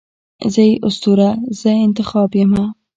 زه یې اسطوره، زه انتخاب یمه